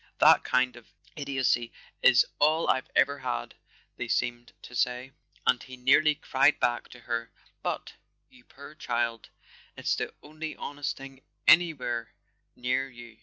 "That kind of idiocy is all I've ever had," they seemed to say; and he nearly cried back to her: "But, you poor child, it's the only honest thing anywhere near you